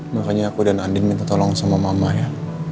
makanya aku dan andin minta tolong sama mama ya